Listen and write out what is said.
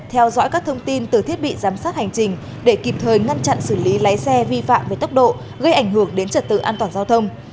theo dõi các thông tin từ thiết bị giám sát hành trình để kịp thời ngăn chặn xử lý lái xe vi phạm về tốc độ gây ảnh hưởng đến trật tự an toàn giao thông